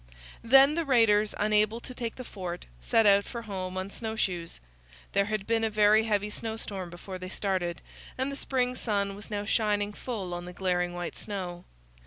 Then the raiders, unable to take the fort, set out for home on snow shoes. There had been a very heavy snowstorm before they started, and the spring sun was now shining full on the glaring white snow.